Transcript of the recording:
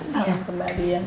sayang kembali ya